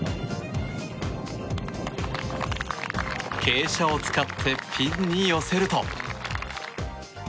傾斜を使ってピンに寄せると。